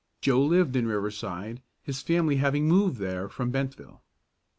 Joe lived in Riverside, his family having moved there from Bentville.